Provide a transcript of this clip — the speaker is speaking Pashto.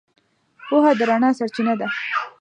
پوهه د رڼا سرچینه ده.